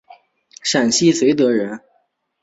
陕西绥德人。